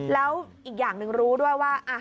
แล้วอีกอย่างหนึ่งรู้ด้วยว่า